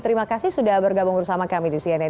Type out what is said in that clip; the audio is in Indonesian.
terima kasih sudah bergabung bersama kami di cnn